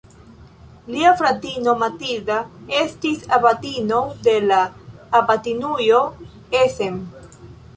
Lia fratino Matilda estis abatino de la abatinujo Essen.